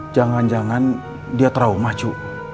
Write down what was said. jangan jangan dia terlalu maju